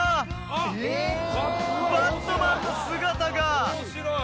バットマンの姿が！